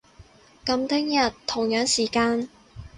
噉聽日，同樣時間